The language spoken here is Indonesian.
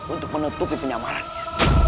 untuk menutupi penyamarannya